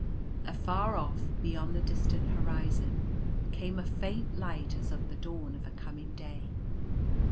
Afar off, beyond the distant horizon, came a faint light as of the dawn of a coming day.